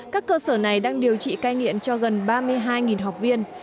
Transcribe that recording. các cơ sở này đang điều trị cai nghiện cho gần ba mươi hai học viên